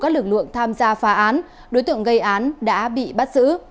các lực lượng tham gia phá án đối tượng gây án đã bị bắt giữ